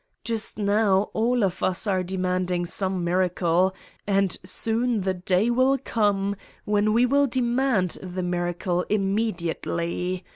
Just now all of us are demanding some miracle and soon the day will come when we will demand the miracle im mediately